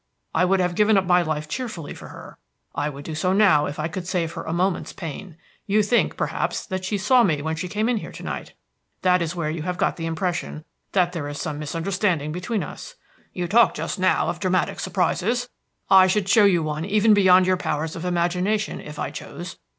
I would have given up my life cheerfully for her; I would do so now if I could save her a moment's pain. You think, perhaps, that she saw me when she came in here to night. That is where you have got the impression that there is some misunderstanding between us. You talked just now of dramatic surprises. I could show you one even beyond your powers of imagination if I chose.